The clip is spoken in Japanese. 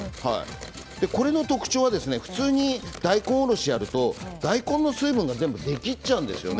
これの特徴は普通の大根おろしをやると大根の水分が全部出きってしまうんです。